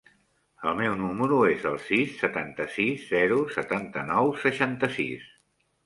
El meu número es el sis, setanta-sis, zero, setanta-nou, seixanta-sis.